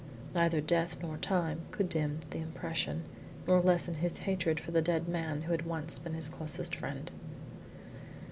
Neither death nor time could dim the impression, nor lessen his hatred for the dead man who had once been his closest friend.